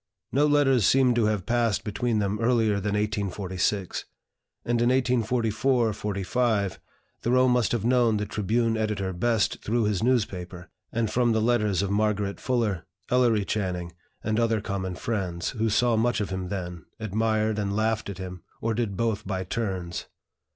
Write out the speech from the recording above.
No letters seem to have passed between them earlier than 1846; and in 1844 45 Thoreau must have known the "Tribune" editor best through his newspaper, and from the letters of Margaret Fuller, Ellery Channing, and other common friends, who saw much of him then, admired and laughed at him, or did both by turns.